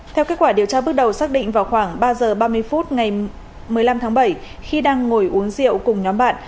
theo kết quả điều tra bước đầu xác định vào khoảng ba giờ ba mươi phút ngày một mươi năm tháng bảy khi đang ngồi uống rượu cùng nhóm bạn